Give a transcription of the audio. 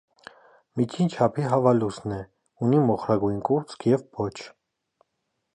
Միջին չափի հավալուսն է, ունի մոխրագույն կուրծք և պոչ։